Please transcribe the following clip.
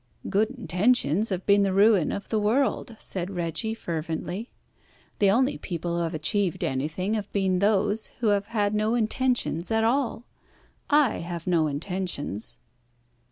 "Good intentions have been the ruin of the world," said Reggie fervently. "The only people who have achieved anything have been those who have had no intentions at all. I have no intentions."